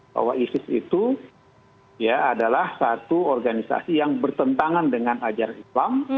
bahwa isis itu adalah satu organisasi yang bertentangan dengan ajaran islam